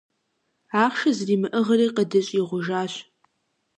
Ахъшэ зэримыӀыгъри къыдыщӀигъужащ.